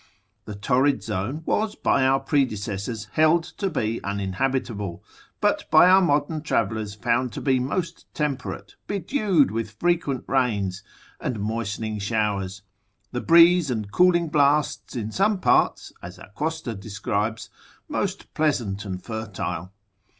The torrid zone was by our predecessors held to be uninhabitable, but by our modern travellers found to be most temperate, bedewed with frequent rains, and moistening showers, the breeze and cooling blasts in some parts, as Acosta describes, most pleasant and fertile.